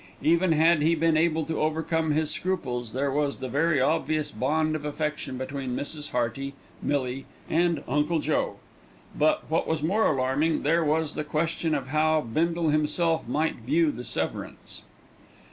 Even had he been able to overcome his scruples, there was the very obvious bond of affection between Mrs. Hearty, Millie, and "Uncle Joe": but, what was more alarming, there was the question of how Bindle himself might view the severance.